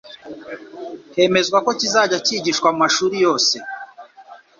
hemezwa ko kizajya kigishwa mu mashuri yose